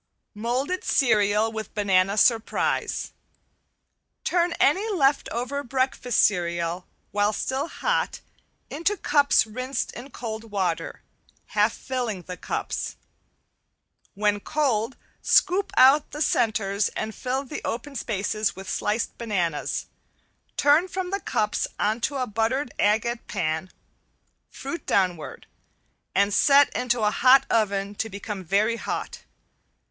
~MOLDED CEREAL WITH BANANA SURPRISE~ Turn any left over breakfast cereal, while still hot, into cups rinsed in cold water, half filling the cups. When cold, scoop out the centers and fill the open spaces with sliced bananas, turn from the cups onto a buttered agate pan, fruit downward, and set into a hot oven to become very hot.